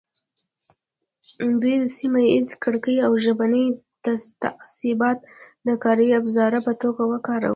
دوی سیمه ییزې کرکې او ژبني تعصبات د کاري ابزار په توګه وکارول.